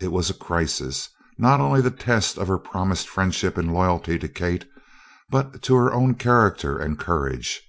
It was a crisis not only the test of her promised friendship and loyalty to Kate but to her own character and courage.